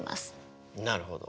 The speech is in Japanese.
なるほど。